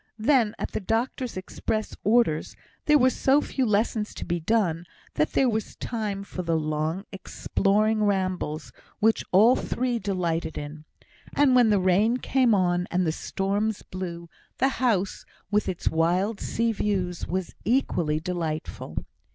Then, at the doctor's express orders, there were so few lessons to be done, that there was time for the long exploring rambles, which all three delighted in. And when the rain came and the storms blew, the house, with its wild sea views, was equally delightful.